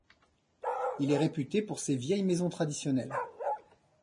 Il est réputé pour ses vieilles maisons traditionnelles.